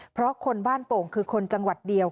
เพราะคนบ้านโป่งคือคนจังหวัดเดียว